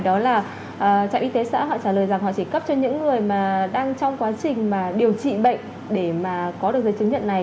đó là trạm y tế xã họ trả lời rằng họ chỉ cấp cho những người mà đang trong quá trình mà điều trị bệnh để mà có được giấy chứng nhận này